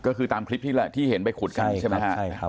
ก็คือตามคลิปที่เห็นไปขุดกันใช่ไหมครับ